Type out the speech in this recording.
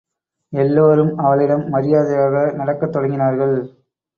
எல்லோரும் அவளிடம் மரியாதையாக நடக்கத் தொடங்கினார்கள்.